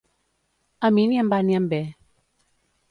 A mi ni em va ni em ve.